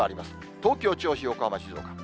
東京、銚子、横浜、静岡。